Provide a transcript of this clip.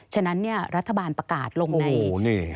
ฉะนั้นเนี่ยรัฐบาลประกาศลงใน